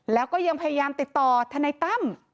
แล้วก็ยังพยายามติดต่อทนายตั้ม